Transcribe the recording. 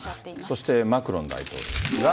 そして、マクロン大統領ですが。